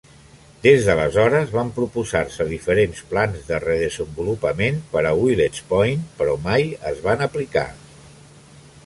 Des d'aleshores van proposar-se diferents plans de re-desenvolupament per a Willets Point, però mai es van aplicar.